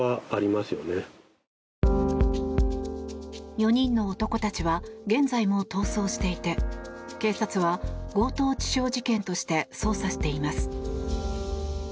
４人の男たちは現在も逃走していて警察は強盗致傷事件として捜査しています。